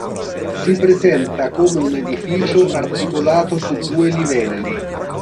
Si presenta come un edificio articolato su due livelli.